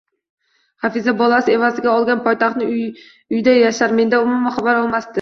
Hafiza bolasi evaziga olgan poytaxtdagi uyida yashar, mendan umuman xabar olmasdi